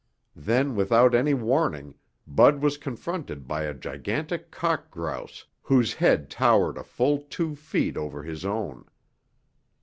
Then without any warning, Bud was confronted by a gigantic cock grouse whose head towered a full two feet over his own.